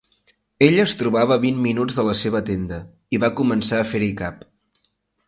Ell es trobava a vint minuts de la seva tenda, i va començar a fer-hi cap.